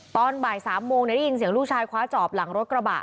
ตอนบ่าย๓โมงได้ยินเสียงลูกชายคว้าจอบหลังรถกระบะ